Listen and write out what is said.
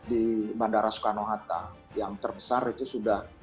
di bandara soekarno hatta yang terbesar itu sudah